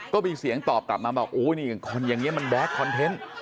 ก็มีเสียงตอบกลับมาบอกอย่างนี้มันแบ๊กคอนเทนต์